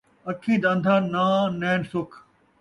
اکھیں دا اندھا ناں نین سکھ